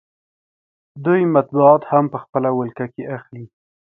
دوی مطبوعات هم په خپله ولکه کې اخلي